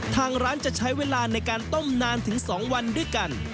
ทางร้านจะใช้เวลาในการต้มนานถึง๒วันด้วยกัน